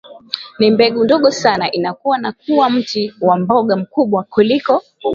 ni mbegu ndogo sana inakua na kuwa mti wa mboga mkubwa kuliko